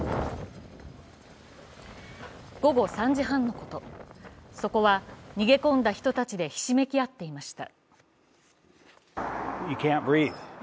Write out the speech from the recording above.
午後３時半のこと、そこは逃げ込んだ人たちでひしめき合っていました。